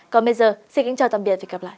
còn bây giờ xin kính chào tạm biệt và hẹn gặp lại